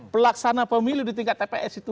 pelaksana pemilu di tingkat tps itu